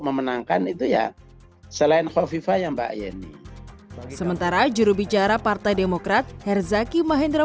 memenangkan itu ya selain hovifa ya mbak yeni sementara jurubicara partai demokrat herzaki mahendra